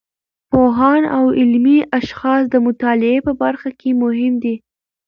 پوهان او علمي اشخاص د مطالعې په برخه کې مهم دي.